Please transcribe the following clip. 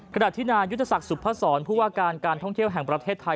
ขณะที่นายุทธศักดิ์สุพศรผู้ว่าการการท่องเที่ยวแห่งประเทศไทย